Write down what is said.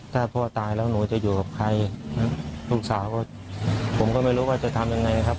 ถ้าพ่อตายแล้วหนูจะอยู่กับใครลูกสาวก็ผมก็ไม่รู้ว่าจะทำยังไงครับ